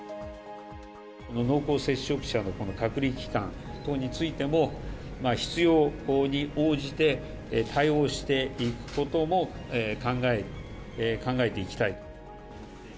この濃厚接触者の、この隔離期間等についても、必要に応じて、対応していくことも考えていきたいと。